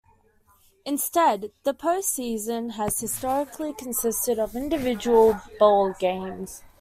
Instead, the postseason has historically consisted of individual bowl games.